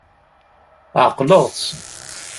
Ɛeqleɣ-tt.